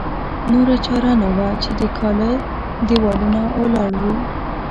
نوره چاره نه وه چې د کاله دېوالونه ولاړ وو.